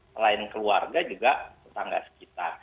selain keluarga juga tetangga sekitar